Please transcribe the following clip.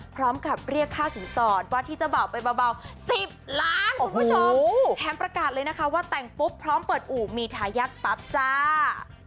พร้อมกับเรียกค่าสินสอดว่าที่เจ้าบ่าวไปเบา๑๐ล้านคุณผู้ชมแถมประกาศเลยนะคะว่าแต่งปุ๊บพร้อมเปิดอู่มีทายาทปั๊บจ้า